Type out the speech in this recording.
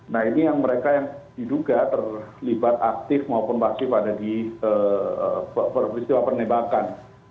nah ini yang mereka yang diduga terlibat aktif maupun pasif ada di peristiwa penembakan